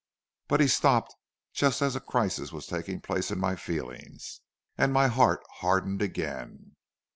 But he stopped just as a crisis was taking place in my feelings, and my heart hardened again.